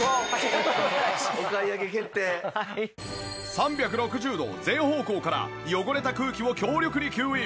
３６０度全方向から汚れた空気を強力に吸引。